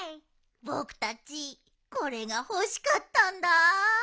ぼくたちこれがほしかったんだ。